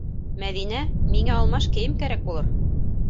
Мәҙинә, миңә алмаш кейем кәрәк булыр.